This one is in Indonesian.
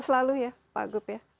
selalu ya pak gub